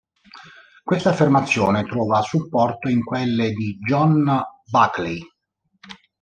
Quest'affermazione trova supporto in quelle di John Buckley.